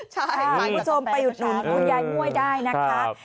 คุณผู้ชมประหยุดหลุมผู้ยายม่วยได้นะครับ